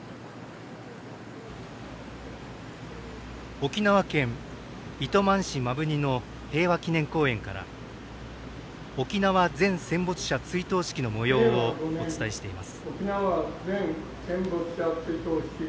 沖縄県糸満市摩文仁の平和祈念公園から「沖縄全戦没者追悼式」のもようをお伝えしています。